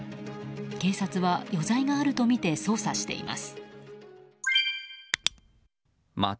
警察は余罪があるとみて捜査しています。